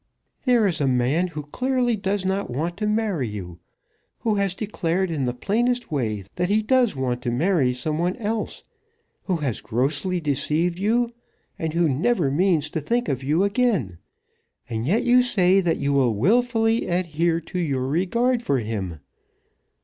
"There is a man who clearly does not want to marry you, who has declared in the plainest way that he does want to marry some one else, who has grossly deceived you, and who never means to think of you again; and yet you say that you will wilfully adhere to your regard for him!"